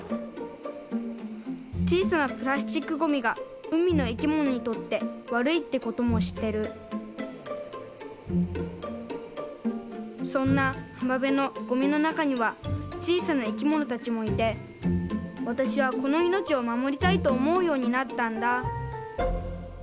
ちいさなプラスチックゴミがうみのいきものにとってわるいってこともしってるそんなはまべのゴミのなかにはちいさないきものたちもいてわたしはこのいのちをまもりたいとおもうようになったんだ